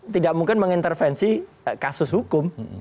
tidak mungkin mengintervensi kasus hukum